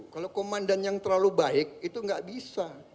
kalau komandan yang terlalu baik itu nggak bisa